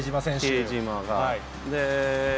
比江島が。